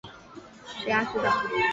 职涯教练也常被说是职涯指导。